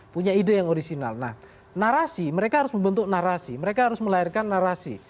punya ide yang orisinal nah narasi mereka harus membentuk narasi mereka harus melahirkan narasi